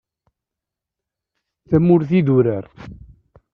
Tamurt idurar.